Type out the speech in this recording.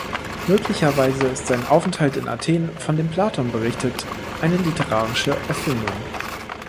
Möglicherweise ist sein Aufenthalt in Athen, von dem Platon berichtet, eine literarische Erfindung.